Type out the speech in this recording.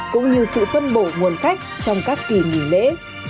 cũng như sự phân bổ nguồn khách trong các kỳ nghỉ lễ